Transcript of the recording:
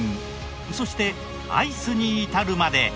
そしてアイスに至るまで。